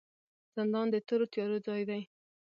زندان د تورو تیارو ځای دی